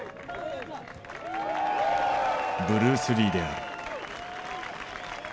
ブルース・リーである。